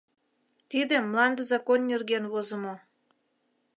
Тиде мланде закон нерген возымо.